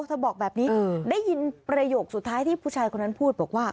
เธอบอกแบบนี้ได้ยินประโยคสุดท้ายที่ผู้ชายคนนั้นพูดบอกว่า